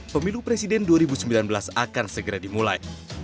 pemilu presiden dua ribu sembilan belas akan segera dimulai